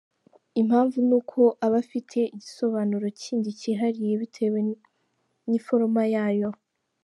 Impamvu nuko aba afite igisobanuro kindi cyihariye bitewe n'iforoma yayo.